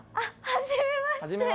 はじめまして。